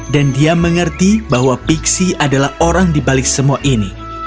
dan dia mengerti bahwa pixie adalah orang dibalik semua ini